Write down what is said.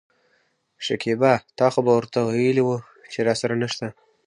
شکيبا : تا خو به ورته وويلي وو چې راسره نشته.